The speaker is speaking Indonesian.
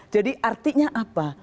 jadi artinya apa